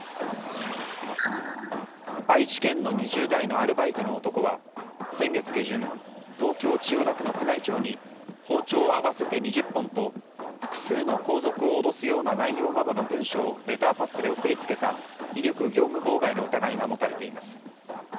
愛知県の２０代のアルバイトの男は先月下旬東京・千代田区の宮内庁に包丁合わせて２０本と複数の皇族を脅すような内容などの文書をレターパックで送り付けた威力業務妨害の疑いが持たれています。